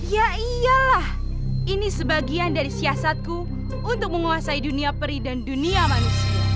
ya iyalah ini sebagian dari siasatku untuk menguasai dunia peri dan dunia manusia